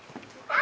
あ！